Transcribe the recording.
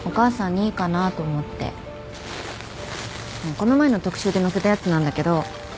この前の特集で載せたやつなんだけど。